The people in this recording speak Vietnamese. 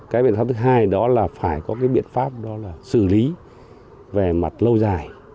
cái biện pháp thứ hai đó là phải có cái biện pháp đó là xử lý về mặt lâu dài